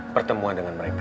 pertemuan dengan mereka